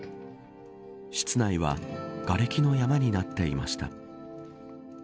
室内はがれきの山になっていました。